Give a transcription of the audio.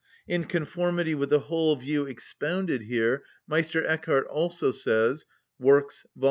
In conformity with the whole view expounded here Meister Eckhard also says (Works, vol.